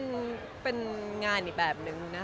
ก็เป็นงานอีกแบบนึงนะคะ